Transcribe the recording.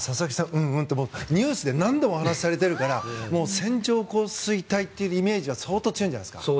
うん、うんってニュースで何度もお話しされているから線状降水帯というイメージは相当強いんじゃないですか？